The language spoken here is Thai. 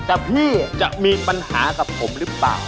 แต่พี่จะมีปัญหากับผมหรือเปล่า